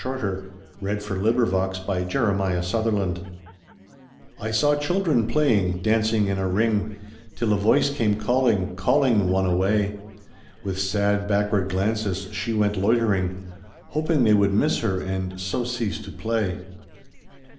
THE SAD YEARS I SAW CHILDREN PLAYING I SAW children playing^ dancing in a ring, Till a voice came calling, calling one away ; With sad backward glances she went loitering, Hoping they would miss her and so cease to play.